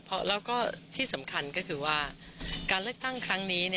แล้วก็ที่สำคัญก็คือว่าการเลือกตั้งครั้งนี้